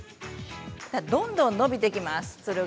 どんどん伸びていきます。